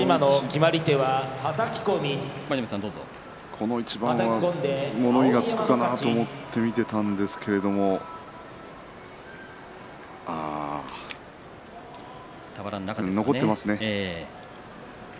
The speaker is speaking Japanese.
この一番は物言いがつくかなと思って見ていたんですけれども残っていますね。